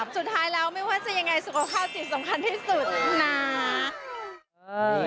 สุดท้ายแล้วไม่ว่าจะยังไงสุขภาพจิตสำคัญที่สุดนะ